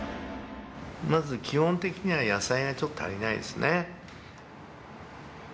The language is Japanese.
まず基本的には野菜がちょっと足りないですね。